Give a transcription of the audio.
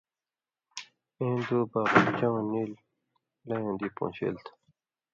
(اېں دُوباغہ) چؤں نیل لَیؤں دی پون٘شېل تھہ۔